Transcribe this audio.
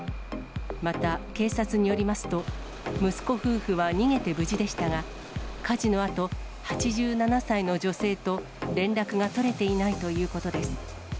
また、警察によりますと、息子夫婦は逃げて無事でしたが、火事のあと、８７歳の女性と連絡が取れていないということです。